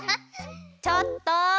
・ちょっと！